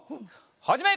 はじめ！